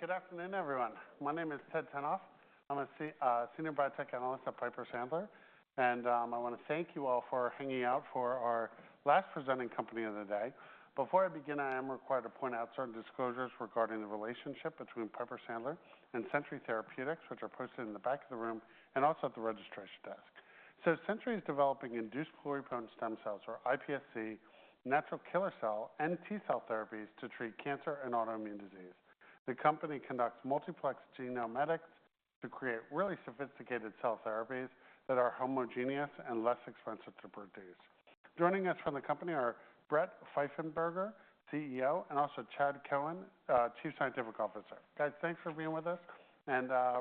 Good afternoon, everyone. My name is Ted Tenthoff. I'm a senior biotech analyst at Piper Sandler, and I want to thank you all for hanging out for our last presenting company of the day. Before I begin, I am required to point out certain disclosures regarding the relationship between Piper Sandler and Century Therapeutics, which are posted in the back of the room and also at the registration desk, so Century is developing induced pluripotent stem cells, or iPSC, natural killer cell and T cell therapies to treat cancer and autoimmune disease. The company conducts multiplex genome edits to create really sophisticated cell therapies that are homogeneous and less expensive to produce. Joining us from the company are Brent Pfeiffenberger, CEO, and also Chad Cohen, Chief Scientific Officer. Guys, thanks for being with us.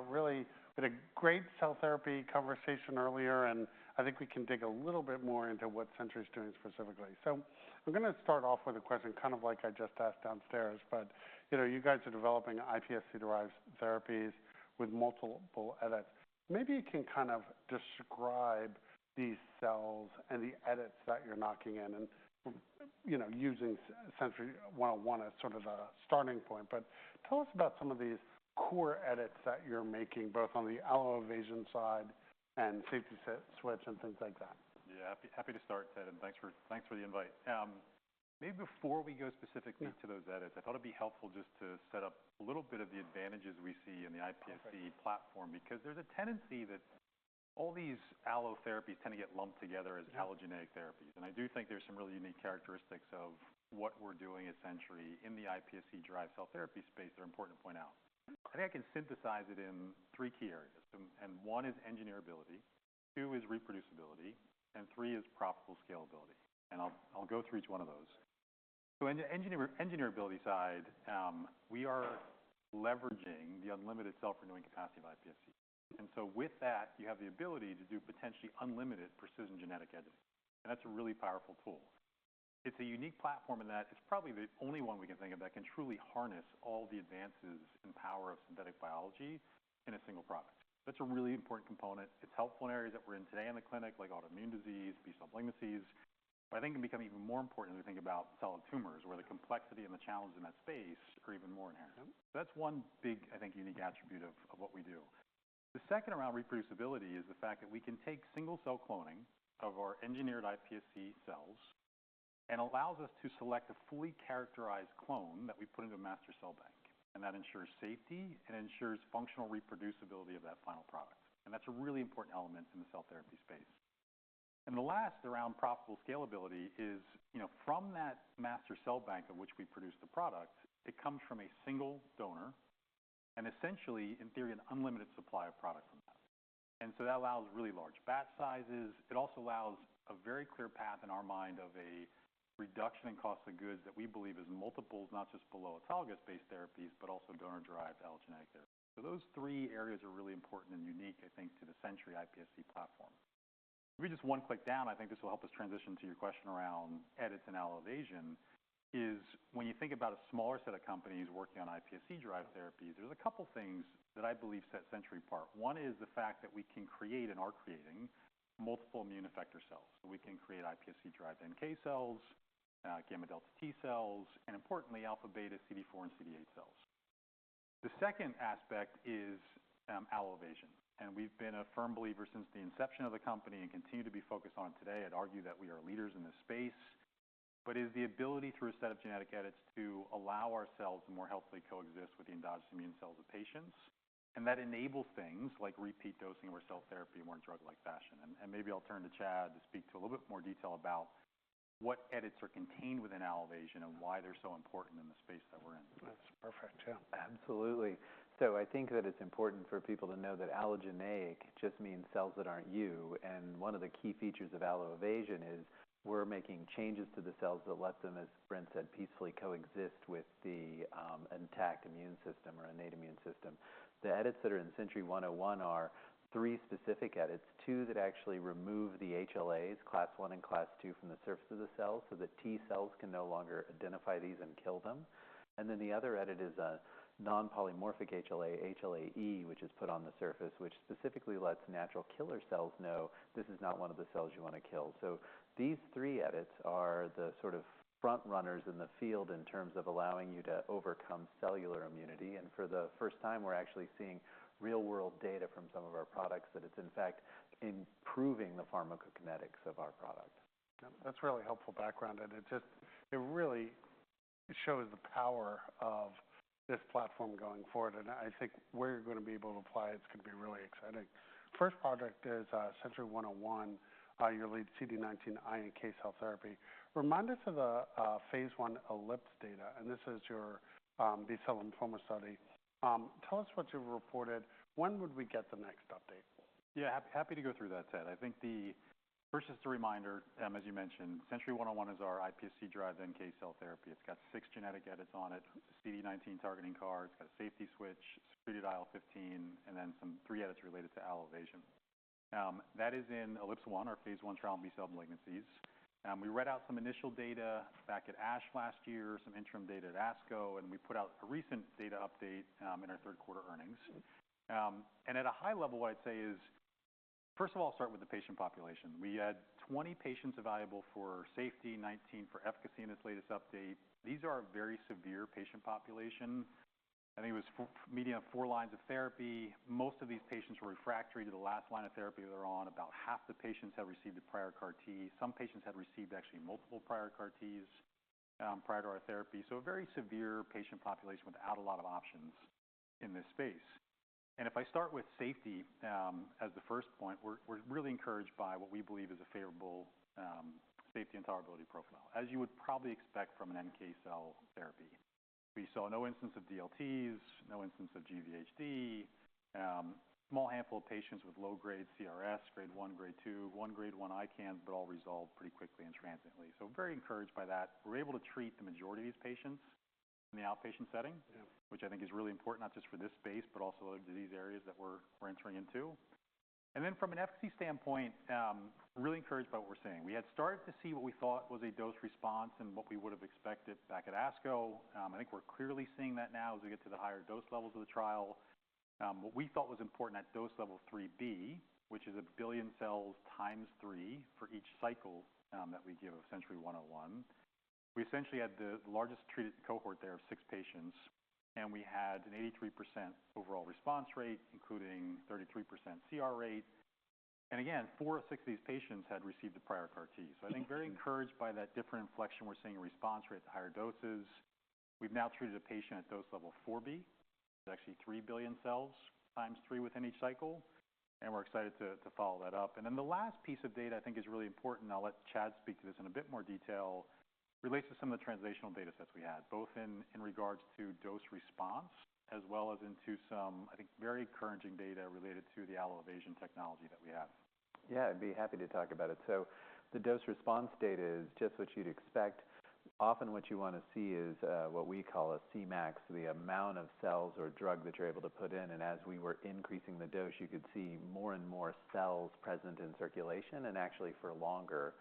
Really, we had a great cell therapy conversation earlier, and I think we can dig a little bit more into what Century is doing specifically. I'm going to start off with a question kind of like I just asked downstairs. You guys are developing iPSC-derived therapies with multiple edits. Maybe you can kind of describe these cells and the edits that you're knocking in and using CNTY-101 as sort of a starting point. Tell us about some of these core edits that you're making, both on the allo-evasion side and safety switch and things like that. Yeah, happy to start, Ted. And thanks for the invite. Maybe before we go specifically to those edits, I thought it'd be helpful just to set up a little bit of the advantages we see in the iPSC platform, because there's a tendency that all these allo therapies tend to get lumped together as allogeneic therapies. And I do think there's some really unique characteristics of what we're doing at Century in the iPSC-derived cell therapy space that are important to point out. I think I can synthesize it in three key areas. And one is engineerability, two is reproducibility, and three is profitable scalability. And I'll go through each one of those. So on the engineerability side, we are leveraging the unlimited self-renewing capacity of iPSC. And so with that, you have the ability to do potentially unlimited precision genetic editing. And that's a really powerful tool. It's a unique platform in that it's probably the only one we can think of that can truly harness all the advances in power of synthetic biology in a single product. That's a really important component. It's helpful in areas that we're in today in the clinic, like autoimmune disease, B-cell malignancies. But I think it can become even more important as we think about solid tumors, where the complexity and the challenge in that space are even more inherent. So that's one big, I think, unique attribute of what we do. The second around reproducibility is the fact that we can take single-cell cloning of our engineered iPSC cells and allows us to select a fully characterized clone that we put into a master cell bank, and that ensures safety and ensures functional reproducibility of that final product, and that's a really important element in the cell therapy space. And the last around profitable scalability is from that master cell bank of which we produce the product, it comes from a single donor and essentially, in theory, an unlimited supply of product from that. And so that allows really large batch sizes. It also allows a very clear path in our mind of a reduction in cost of goods that we believe is multiples, not just below autologous-based therapies, but also donor-derived allogeneic therapies. So those three areas are really important and unique, I think, to the Century iPSC platform. Maybe just one click down, I think this will help us transition to your question around edits and allo-evasion. When you think about a smaller set of companies working on iPSC-derived therapies, there's a couple of things that I believe set Century apart. One is the fact that we can create and are creating multiple immune effector cells. We can create iPSC-derived NK cells, gamma delta T cells, and importantly, alpha beta CD4 and CD8 cells. The second aspect is allo-evasion. We've been a firm believer since the inception of the company and continue to be focused on it today. I'd argue that we are leaders in this space. It is the ability through a set of genetic edits to allow our cells to more healthily coexist with the endogenous immune cells of patients. That enables things like repeat dosing of our cell therapy in more drug-like fashion. Maybe I'll turn to Chad to speak to a little bit more detail about what edits are contained within allo-evasion and why they're so important in the space that we're in. That's perfect, yeah. Absolutely. So I think that it's important for people to know that allogeneic just means cells that aren't you. And one of the key features of allo-evasion is we're making changes to the cells that let them, as Brent said, peacefully coexist with the intact immune system or innate immune system. The edits that are in CNTY-101 are three specific edits: two that actually remove the HLAs, class I and class II, from the surface of the cell so that T cells can no longer identify these and kill them. And then the other edit is a non-polymorphic HLA, HLA-E, which is put on the surface, which specifically lets natural killer cells know this is not one of the cells you want to kill. So these three edits are the sort of front runners in the field in terms of allowing you to overcome cellular immunity. For the first time, we're actually seeing real-world data from some of our products that it's, in fact, improving the pharmacokinetics of our product. That's really helpful background. And it really shows the power of this platform going forward. And I think where you're going to be able to apply it's going to be really exciting. First project is CNTY-101, your lead CD19 NK cell therapy. Remind us of the phase 1 ELIPS-1 data. And this is your B-cell lymphoma study. Tell us what you reported. When would we get the next update? Yeah, happy to go through that, Ted. I think the first is the reminder, as you mentioned. CNTY-101 is our iPSC-derived NK cell therapy. It's got six genetic edits on it: CD19-targeting CAR, it's got a safety switch, secreted IL-15, and then some three edits related to allo-evasion. That is in ELIPS-1, our phase 1 trial in B-cell malignancies. We read out some initial data back at ASH last year, some interim data at ASCO, and we put out a recent data update in our third quarter earnings. At a high level, what I'd say is, first of all, start with the patient population. We had 20 patients available for safety, 19 for efficacy in this latest update. These are a very severe patient population. I think it was median of four lines of therapy. Most of these patients were refractory to the last line of therapy they were on. About half the patients had received a prior CAR-T. Some patients had received actually multiple prior CAR-Ts prior to our therapy. So a very severe patient population without a lot of options in this space. And if I start with safety as the first point, we're really encouraged by what we believe is a favorable safety and tolerability profile, as you would probably expect from an NK cell therapy. We saw no incidence of DLTs, no incidence of GVHD, small handful of patients with low-grade CRS, grade one, grade two, one grade one ICANS, but all resolved pretty quickly and transiently. So very encouraged by that. We're able to treat the majority of these patients in the outpatient setting, which I think is really important not just for this space, but also other disease areas that we're entering into, and then from an efficacy standpoint, really encouraged by what we're seeing. We had started to see what we thought was a dose response and what we would have expected back at ASCO. I think we're clearly seeing that now as we get to the higher dose levels of the trial. What we thought was important at dose level 3B, which is a billion cells times three for each cycle that we give of CNTY-101. We essentially had the largest treated cohort there of six patients, and we had an 83% overall response rate, including 33% CR rate, and again, four or six of these patients had received the prior CAR-T. So, I think very encouraged by that different inflection we're seeing in response rate to higher doses. We've now treated a patient at dose level 4B, which is actually three billion cells times three within each cycle. And we're excited to follow that up. And then the last piece of data I think is really important, and I'll let Chad speak to this in a bit more detail, relates to some of the translational data sets we had, both in regards to dose response as well as into some, I think, very encouraging data related to the allo-evasion technology that we have. Yeah, I'd be happy to talk about it. So the dose response data is just what you'd expect. Often what you want to see is what we call a Cmax, the amount of cells or drug that you're able to put in. And as we were increasing the dose, you could see more and more cells present in circulation. And actually, for longer,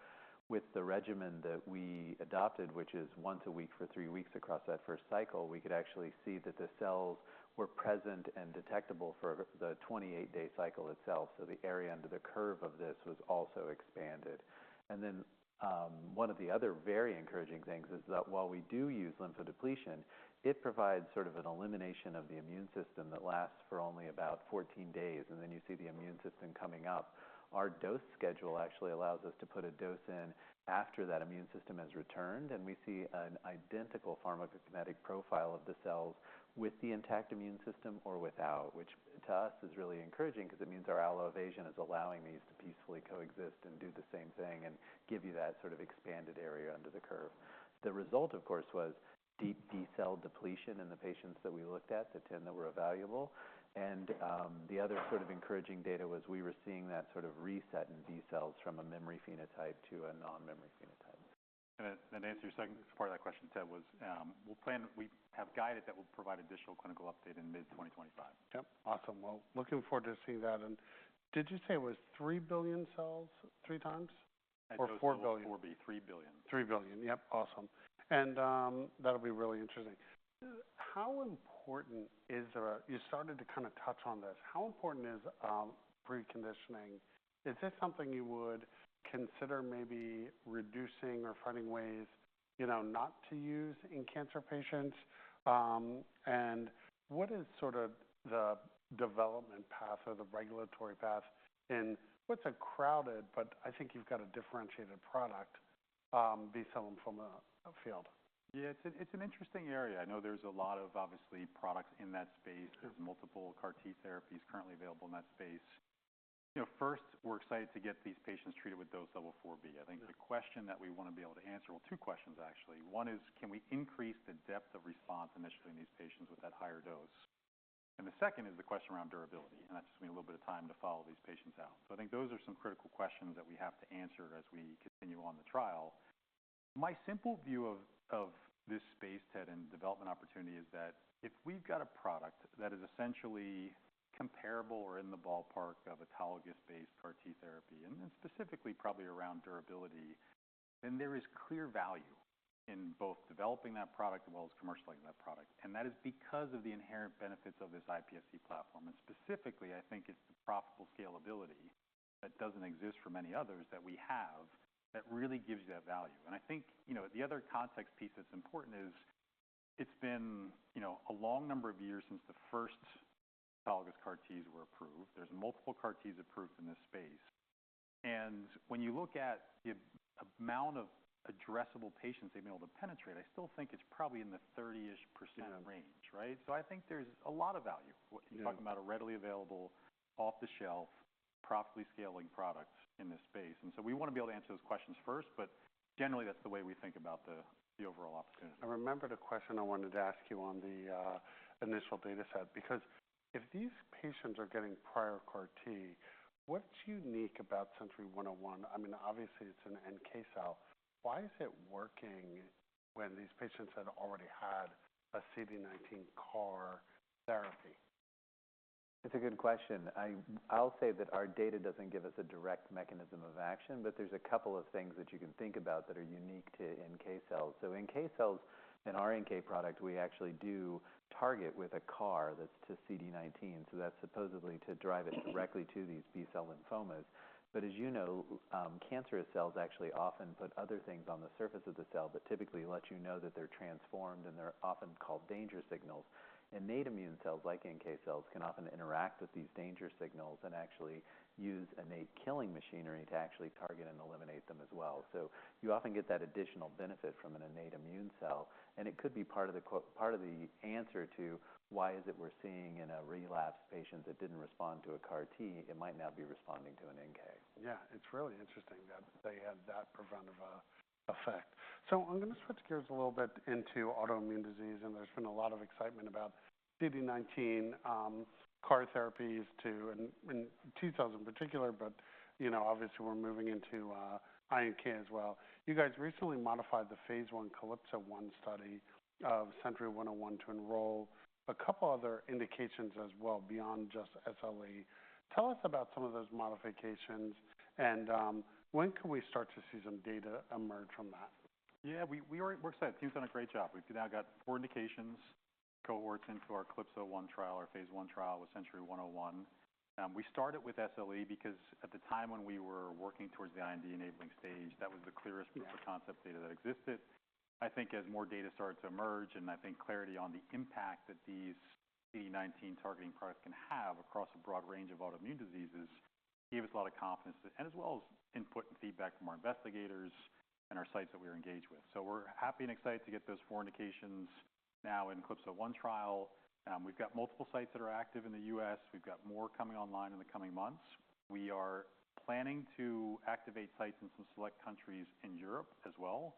with the regimen that we adopted, which is once a week for three weeks across that first cycle, we could actually see that the cells were present and detectable for the 28-day cycle itself. So the area under the curve of this was also expanded. And then one of the other very encouraging things is that while we do use lymphodepletion, it provides sort of an elimination of the immune system that lasts for only about 14 days. And then you see the immune system coming up. Our dose schedule actually allows us to put a dose in after that immune system has returned, and we see an identical pharmacokinetic profile of the cells with the intact immune system or without, which to us is really encouraging because it means our allo-evasion is allowing these to peacefully coexist and do the same thing and give you that sort of expanded area under the curve. The result, of course, was deep B-cell depletion in the patients that we looked at, the 10 that were evaluable, and the other sort of encouraging data was we were seeing that sort of reset in B-cells from a memory phenotype to a non-memory phenotype. To answer your second part of that question, Ted, as we have guided that we'll provide additional clinical update in mid-2025. Yep. Awesome, well, looking forward to seeing that, and did you say it was three billion cells three times or four billion? Or 4 billion. 3 billion. Three billion. Yep. Awesome. And that'll be really interesting. How important is it? You started to kind of touch on this. How important is preconditioning? Is this something you would consider maybe reducing or finding ways not to use in cancer patients? And what is sort of the development path or the regulatory path? And what's it like in a crowded, but I think you've got a differentiated product in the B-cell lymphoma field? Yeah, it's an interesting area. I know there's a lot of, obviously, products in that space. There's multiple CAR-T therapies currently available in that space. First, we're excited to get these patients treated with dose level 4B. I think the question that we want to be able to answer, well, two questions, actually. One is, can we increase the depth of response initially in these patients with that higher dose? And the second is the question around durability. And that just means a little bit of time to follow these patients out. So I think those are some critical questions that we have to answer as we continue on the trial. My simple view of this space, Ted, and development opportunity is that if we've got a product that is essentially comparable or in the ballpark of autologous-based CAR-T therapy, and then specifically probably around durability, then there is clear value in both developing that product as well as commercializing that product. And that is because of the inherent benefits of this iPSC platform. And specifically, I think it's the profitable scalability that doesn't exist for many others that we have that really gives you that value. And I think the other context piece that's important is it's been a long number of years since the first autologous CAR-Ts were approved. There's multiple CAR-Ts approved in this space. And when you look at the amount of addressable patients they've been able to penetrate, I still think it's probably in the 30-ish% range, right? So I think there's a lot of value. You're talking about a readily available, off-the-shelf, profitably scaling product in this space. And so we want to be able to answer those questions first, but generally, that's the way we think about the overall opportunity. I remembered a question I wanted to ask you on the initial data set. Because if these patients are getting prior CAR-T, what's unique about CNTY-101? I mean, obviously, it's an NK cell. Why is it working when these patients had already had a CD19 CAR therapy? It's a good question. I'll say that our data doesn't give us a direct mechanism of action, but there's a couple of things that you can think about that are unique to NK cells. So NK cells in our NK product, we actually do target with a CAR that's to CD19. So that's supposedly to drive it directly to these B-cell lymphomas. But as you know, cancerous cells actually often put other things on the surface of the cell that typically let you know that they're transformed and they're often called danger signals. Innate immune cells, like NK cells, can often interact with these danger signals and actually use innate killing machinery to actually target and eliminate them as well. So you often get that additional benefit from an innate immune cell. It could be part of the answer to why we're seeing in a relapsed patient that didn't respond to a CAR-T, it might now be responding to an NK. Yeah, it's really interesting that they have that preventive effect. So I'm going to switch gears a little bit into autoimmune disease, and there's been a lot of excitement about CD19 CAR therapies too, and T-cells in particular, but obviously, we're moving into NK as well. You guys recently modified the phase 1 CALYPSO-1 study of CNTY-101 to enroll a couple of other indications as well beyond just SLE. Tell us about some of those modifications, and when can we start to see some data emerge from that? Yeah, we're excited. Team's done a great job. We've now got four indications and cohorts into our CALYPSO-1 trial, our phase 1 trial with CNTY-101. We started with SLE because at the time when we were working towards the IND enabling stage, that was the clearest proof of concept data that existed. I think as more data started to emerge and I think clarity on the impact that these CD19 targeting products can have across a broad range of autoimmune diseases gave us a lot of confidence, and as well as input and feedback from our investigators and our sites that we were engaged with. So we're happy and excited to get those four indications now in CALYPSO-1 trial. We've got multiple sites that are active in the U.S. We've got more coming online in the coming months. We are planning to activate sites in some select countries in Europe as well.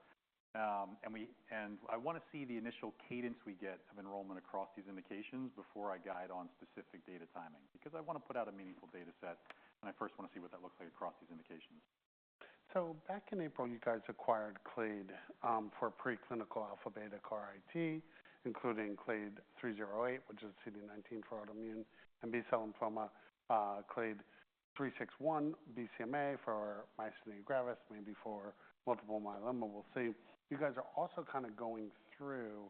And I want to see the initial cadence we get of enrollment across these indications before I guide on specific data timing because I want to put out a meaningful data set. And I first want to see what that looks like across these indications. Back in April, you guys acquired Clade for preclinical alpha beta CAR-T, including CLDE-308, which is CD19 for autoimmune and B-cell lymphoma, CLDE-361, BCMA for myasthenia gravis, maybe for multiple myeloma. We'll see. You guys are also kind of going through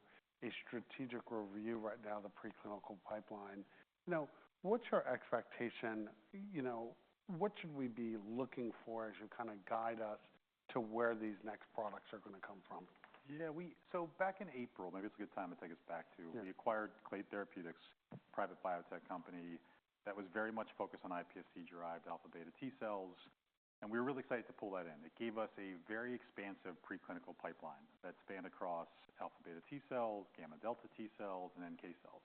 a strategic review right now of the preclinical pipeline. What's your expectation? What should we be looking for as you kind of guide us to where these next products are going to come from? Yeah. So back in April, maybe it's a good time to take us back to we acquired Clade Therapeutics, a private biotech company that was very much focused on iPSC-derived alpha beta T cells. And we were really excited to pull that in. It gave us a very expansive preclinical pipeline that spanned across alpha beta T cells, gamma delta T cells, and NK cells.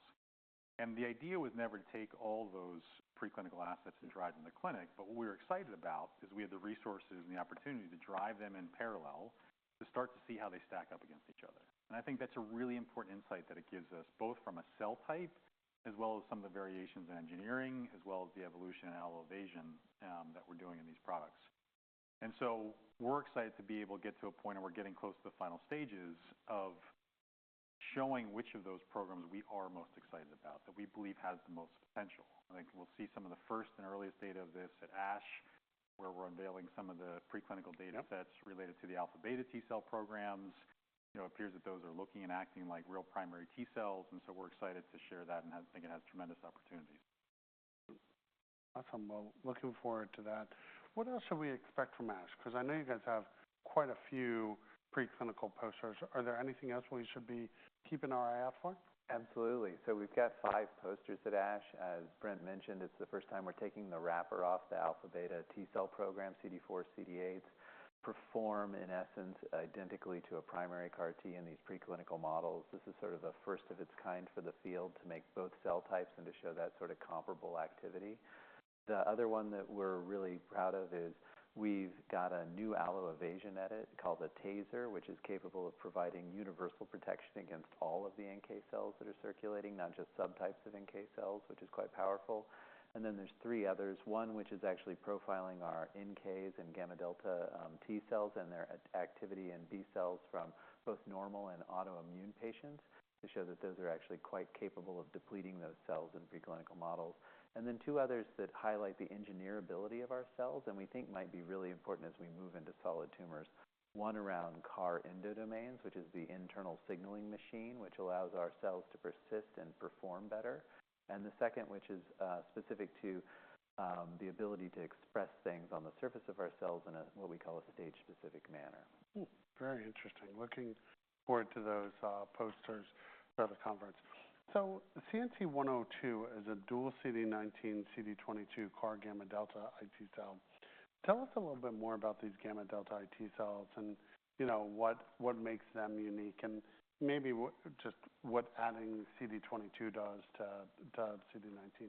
And the idea was never to take all those preclinical assets and drive them to clinic. But what we were excited about is we had the resources and the opportunity to drive them in parallel to start to see how they stack up against each other. And I think that's a really important insight that it gives us both from a cell type as well as some of the variations in engineering as well as the evolution in allo-evasion that we're doing in these products. And so we're excited to be able to get to a point where we're getting close to the final stages of showing which of those programs we are most excited about that we believe has the most potential. I think we'll see some of the first and earliest data of this at ASH, where we're unveiling some of the preclinical data sets related to the alpha beta T cell programs. It appears that those are looking and acting like real primary T cells. And so we're excited to share that and think it has tremendous opportunities. Awesome. Well, looking forward to that. What else should we expect from ASH? Because I know you guys have quite a few preclinical posters. Are there anything else we should be keeping our eye out for? Absolutely. So we've got five posters at ASH. As Brent mentioned, it's the first time we're taking the wrapper off the alpha beta T cell program, CD4, CD8s perform, in essence, identically to a primary CAR-T in these preclinical models. This is sort of the first of its kind for the field to make both cell types and to show that sort of comparable activity. The other one that we're really proud of is we've got a new allo-evasion edit called the TASER, which is capable of providing universal protection against all of the NK cells that are circulating, not just subtypes of NK cells, which is quite powerful, and then there's three others. One, which is actually profiling our NKs and gamma delta T cells and their activity in B cells from both normal and autoimmune patients to show that those are actually quite capable of depleting those cells in preclinical models, and then two others that highlight the engineerability of our cells and we think might be really important as we move into solid tumors. One around CAR endodomains, which is the internal signaling machine, which allows our cells to persist and perform better, and the second, which is specific to the ability to express things on the surface of our cells in what we call a stage-specific manner. Very interesting. Looking forward to those posters for the conference. So CNTY-102 is a dual CD19, CD22 CAR gamma delta T cell. Tell us a little bit more about these gamma delta T cells and what makes them unique and maybe just what adding CD22 does to CD19.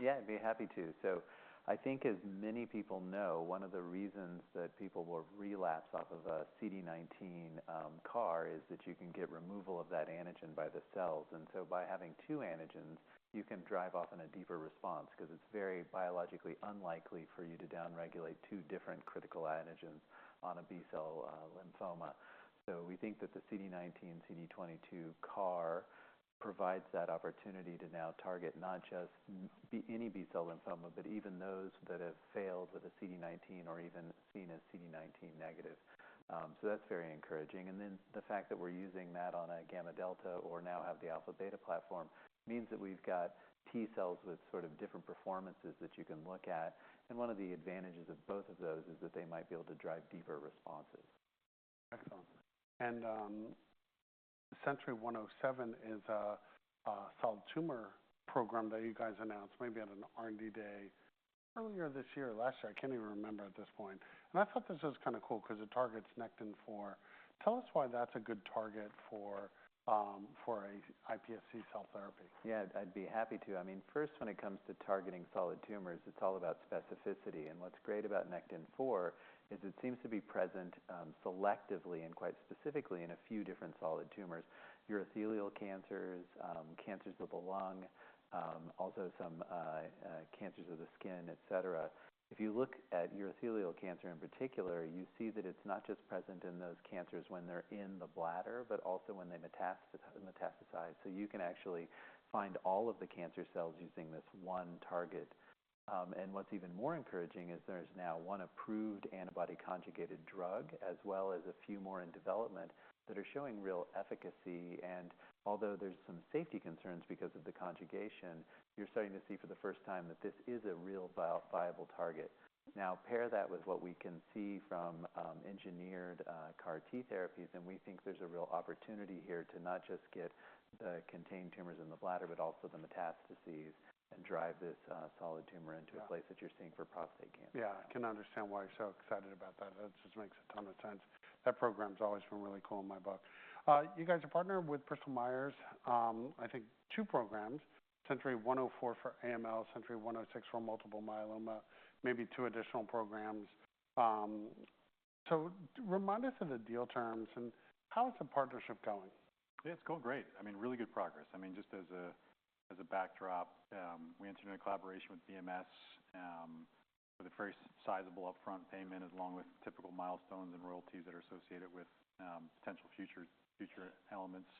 Yeah, I'd be happy to. So I think as many people know, one of the reasons that people will relapse off of a CD19 CAR is that you can get removal of that antigen by the cells. And so by having two antigens, you can drive a deeper response because it's very biologically unlikely for you to downregulate two different critical antigens on a B-cell lymphoma. So we think that the CD19, CD22 CAR provides that opportunity to now target not just any B-cell lymphoma, but even those that have failed with a CD19 or even seen as CD19 negative. So that's very encouraging. And then the fact that we're using that on a gamma delta or now have the alpha beta platform means that we've got T cells with sort of different performances that you can look at. And one of the advantages of both of those is that they might be able to drive deeper responses. Excellent. And CNTY-107 is a solid tumor program that you guys announced maybe at an R&D day earlier this year or last year. I can't even remember at this point. And I thought this was kind of cool because it targets Nectin-4. Tell us why that's a good target for an iPSC cell therapy. Yeah, I'd be happy to. I mean, first, when it comes to targeting solid tumors, it's all about specificity. And what's great about Nectin-4 is it seems to be present selectively and quite specifically in a few different solid tumors: urothelial cancers, cancers of the lung, also some cancers of the skin, etc. If you look at urothelial cancer in particular, you see that it's not just present in those cancers when they're in the bladder, but also when they metastasize. So you can actually find all of the cancer cells using this one target. And what's even more encouraging is there's now one approved antibody conjugated drug as well as a few more in development that are showing real efficacy. And although there's some safety concerns because of the conjugation, you're starting to see for the first time that this is a real viable target. Now, pair that with what we can see from engineered CAR-T therapies, and we think there's a real opportunity here to not just get the contained tumors in the bladder, but also the metastases and drive this solid tumor into a place that you're seeing for prostate cancer. Yeah. I can understand why you're so excited about that. That just makes a ton of sense. That program's always been really cool in my book. You guys are partnered with Bristol Myers, I think two programs, CNTY-104 for AML, CNTY-106 for multiple myeloma, maybe two additional programs. So remind us of the deal terms and how is the partnership going? It's going great. I mean, really good progress. I mean, just as a backdrop, we entered into collaboration with BMS with a very sizable upfront payment along with typical milestones and royalties that are associated with potential future elements.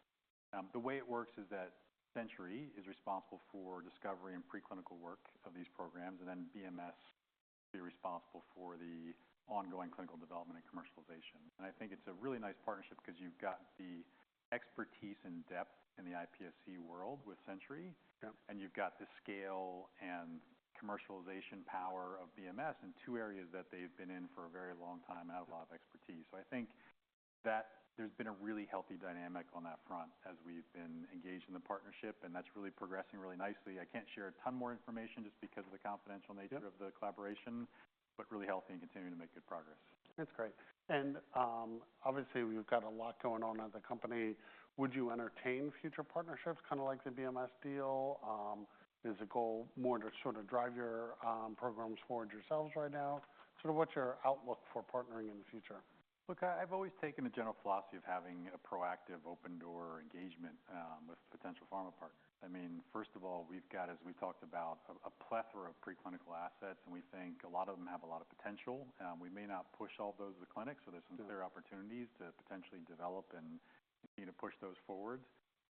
The way it works is that Century is responsible for discovery and preclinical work of these programs, and then BMS will be responsible for the ongoing clinical development and commercialization. I think it's a really nice partnership because you've got the expertise and depth in the iPSC world with Century, and you've got the scale and commercialization power of BMS in two areas that they've been in for a very long time and have a lot of expertise. I think that there's been a really healthy dynamic on that front as we've been engaged in the partnership, and that's really progressing really nicely. I can't share a ton more information just because of the confidential nature of the collaboration, but really healthy and continuing to make good progress. That's great, and obviously we've got a lot going on at the company. Would you entertain future partnerships kind of like the BMS deal? Is the goal more to sort of drive your programs forward yourselves right now? Sort of what's your outlook for partnering in the future? Look, I've always taken the general philosophy of having a proactive open-door engagement with potential pharma partners. I mean, first of all, we've got, as we talked about, a plethora of preclinical assets, and we think a lot of them have a lot of potential. We may not push all those to the clinic, so there's some clear opportunities to potentially develop and continue to push those forward.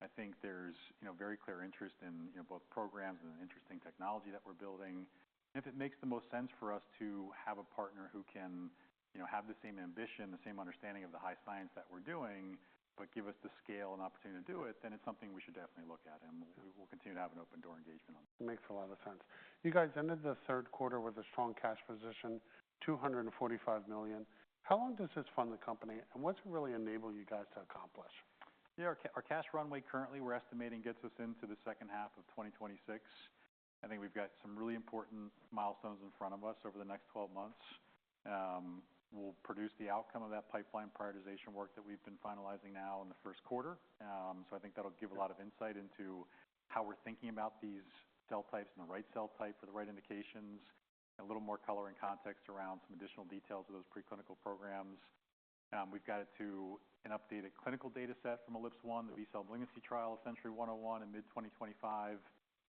I think there's very clear interest in both programs and interesting technology that we're building. If it makes the most sense for us to have a partner who can have the same ambition, the same understanding of the high science that we're doing, but give us the scale and opportunity to do it, then it's something we should definitely look at. And we'll continue to have an open-door engagement on that. Makes a lot of sense. You guys entered the third quarter with a strong cash position, $245 million. How long does this fund the company? And what's it really enable you guys to accomplish? Yeah, our cash runway currently, we're estimating gets us into the second half of 2026. I think we've got some really important milestones in front of us over the next 12 months. We'll produce the outcome of that pipeline prioritization work that we've been finalizing now in the first quarter. So I think that'll give a lot of insight into how we're thinking about these cell types and the right cell type for the right indications, a little more color and context around some additional details of those preclinical programs. We've got an updated clinical data set from ELIPS-1, the B-cell malignancy trial of CNTY-101 in mid-2025.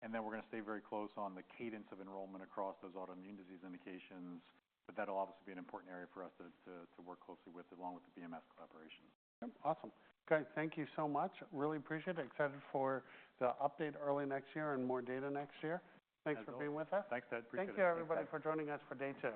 And then we're going to stay very close on the cadence of enrollment across those autoimmune disease indications. But that'll obviously be an important area for us to work closely with along with the BMS collaboration. Yep. Awesome. Guys, thank you so much. Really appreciate it. Excited for the update early next year and more data next year. Thanks for being with us. Thanks. I appreciate it. Thank you, everybody, for joining us for day two.